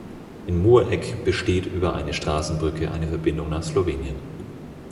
In Mureck besteht über eine Straßenbrücke eine Verbindung nach Slowenien.